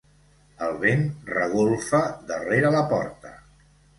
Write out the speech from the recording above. El vent regolfa darrere la porta.